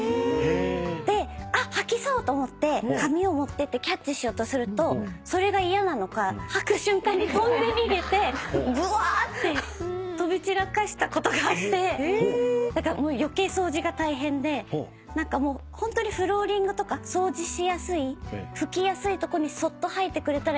で吐きそうと思って紙を持ってってキャッチしようとするとそれが嫌なのか吐く瞬間にとんで逃げてぶわってとび散らかしたことがあってだから余計掃除が大変でホントにフローリングとか掃除しやすい拭きやすいとこにそっと吐いてくれたらいいのに。